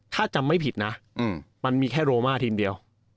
ถ้าจำไม่ผิดนะมันมีแค่โรมาทีมเดียว